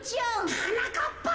はなかっぱ！